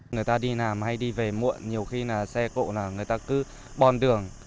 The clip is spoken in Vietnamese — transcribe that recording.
người ta đi làm hay đi về muộn nhiều khi xe cộ là người ta cứ bòn đường